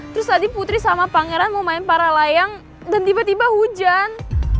terus tadi putri sama pangeran mau main para layang dan tiba tiba hujan